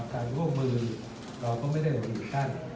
การร่วมมือเราก็ไม่ได้หยุดการ